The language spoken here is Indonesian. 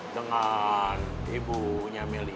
dengan ibunya meli